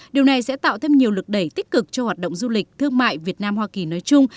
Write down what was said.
điều này sẽ tạo thêm nhiều lực đẩy tích cực cho hoạt động du lịch thương mại việt nam hoa kỳ nói chung